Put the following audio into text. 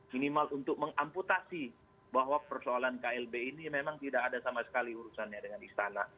minimal untuk mengamputasi bahwa persoalan klb ini memang tidak ada sama sekali urusannya dengan istana